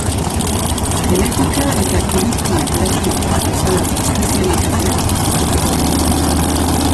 Genetika eta kirurgia plastikoa bezalako espezialitateak hartuko ditu.